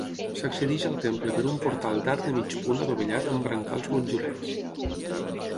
S'accedeix al temple per un portal d'arc de mig punt adovellat amb brancals motllurats.